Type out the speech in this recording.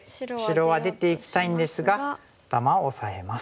白は出ていきたいんですが頭をオサえます。